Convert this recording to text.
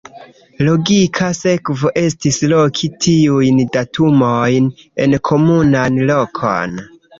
Logika sekvo estis loki tiujn datumojn en komunan lokon.